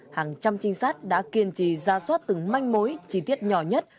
hàng trăm trinh sát đã kiên trì ra soát từng manh mối chi tiết nhỏ nhất